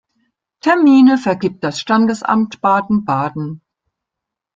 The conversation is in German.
Termine vergibt das Standesamt Baden-Baden.